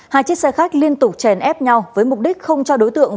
hai chiếc xe khách liên tục chèn ép nhau với mục đích không cho đối tượng